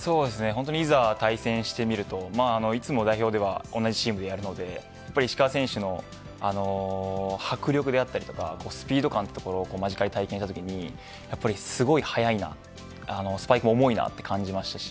いざ対戦してみるといつも代表で同じチームでやるので石川選手の迫力であったりスピード感というところを間近で体験したときにすごい速いなスパイクも重いなと感じましたし